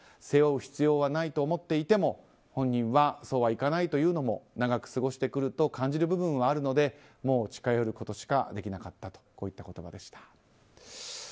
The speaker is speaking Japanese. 背負う必要はないと思っていても本人はそうはいかないというのも長く過ごしてくると感じる部分はあるのでもう近寄ることしかできなかったこういった言葉でした。